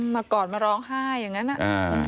กอดมาร้องไห้อย่างนั้น